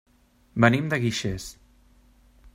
Venim de Guixers.